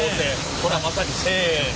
これはまさしくせの。